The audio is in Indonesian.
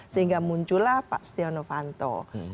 sehingga muncullah pak stiano vanto